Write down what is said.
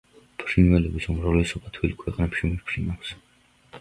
ფრინველების უმრავლესობა თბილ ქვეყნებში მიფრინავს.